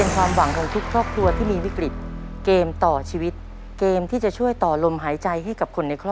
ความวองของครอกครัวหากวิกฤต